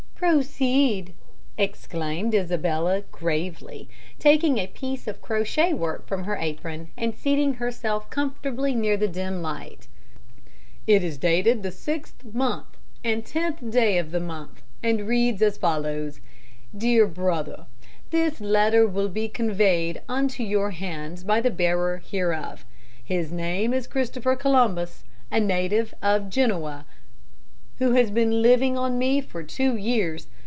"Proceed," exclaimed Isabella, gravely, taking a piece of crochet work from her apron and seating herself comfortably near the dim light. "It is dated the sixth month and tenth day of the month, and reads as follows: "DEAR BROTHER: "This letter will be conveyed unto your hands by the bearer hereof. His name is Christopher Columbus, a native of Genoa, who has been living on me for two years.